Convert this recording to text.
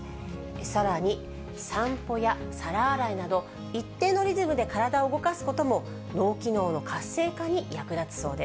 さらに、散歩や皿洗いなど、一定のリズムで体を動かすことも、脳機能の活性化に役立つそうです。